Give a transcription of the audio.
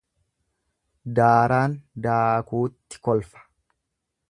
Daaraan daakuutti kolfa.